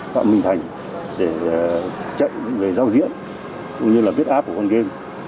tụi em giao cho đối tượng phạm minh thành để giao diễn cũng như viết app của con game